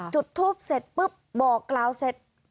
จุดทูปเสร็จปุ๊บบอกกล่าวเสร็จ